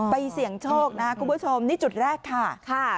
เสี่ยงโชคนะคุณผู้ชมนี่จุดแรกค่ะ